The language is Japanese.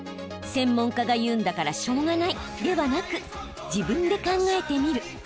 専門家が言うんだからしょうがないではなく自分で考えてみる。